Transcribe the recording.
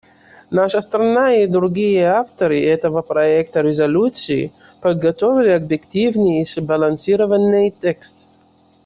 Наша страна и другие авторы этого проекта резолюции подготовили объективный и сбалансированный текст.